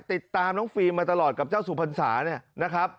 ติดตามน้องฟิล์มมาตลอดกับเจ้าสุพรรษาเนี่ยนะครับ